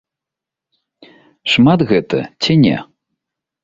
Шмат гэта ці не?